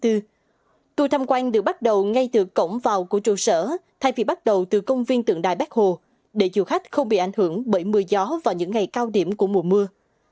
tour tham quan được bắt đầu ngay từ cổng vào của trụ sở thay vì bắt đầu từ công viên tượng đài bắc hồ để du khách không bị ảnh hưởng bởi mưa gió vào những ngày cao điểm của mùa mưa